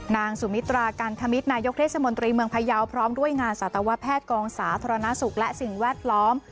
นางสุมิตรากันธมิตรนายกเทศมนตรีเมืองพยาวพร้อมด้วยงานสัตวแพทย์กองสาธารณสุขและสิ่งแวดล้อม